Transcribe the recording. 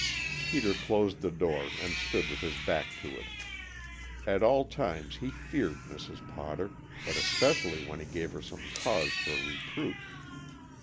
Peter closed the door and stood with his back to it. At all times he feared Mrs. Potter, but especially when he gave her some cause for reproof.